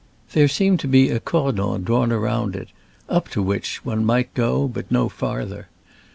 There seemed to be a cordon drawn around it, up to which one might go, but no farther.